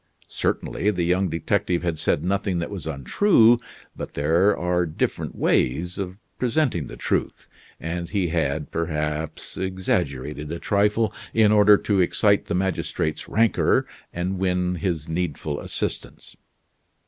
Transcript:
Certainly, the young detective had said nothing that was untrue; but there are different ways of presenting the truth, and he had, perhaps, exaggerated a trifle in order to excite the magistrate's rancor, and win his needful assistance.